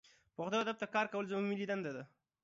پښتو ادب ته کار کول زمونږ ملي دنده ده